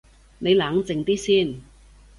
你冷靜啲先